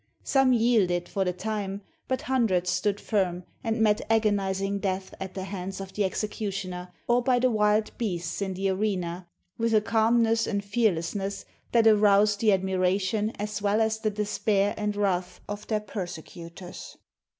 Some yielded for the time, but hundreds stood firm and met agonizing death at the hands of the executioner or by the wild beasts in the arena, with a calmness and fearlessness that aroused the admiration as well as the despair and wrath of their persecutors.